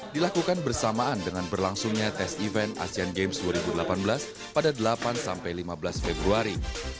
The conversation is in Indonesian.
dilakukan bersamaan dengan berlangsungnya tes event asian games dua ribu delapan belas pada delapan lima belas februari